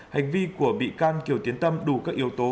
hành vi của bị can kiều tiến tâm đủ các yếu tố